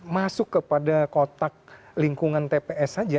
masuk kepada kotak lingkungan tps saja